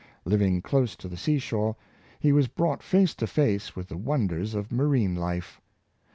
Living close to the sea shore, he was brought face to face with the won ders of marine life.